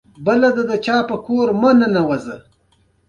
شپږ دېرشم سوال د سیسټم د تحلیل په اړه دی.